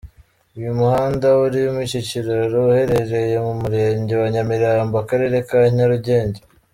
Uyu muhanda urimo iki kiraro uherereye mu Murenge wa Nyamirambo, Akarere ka Nyarugenge.